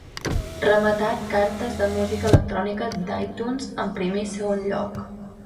Rematat cartes de música electrònica d'iTunes amb primer i segon lloc.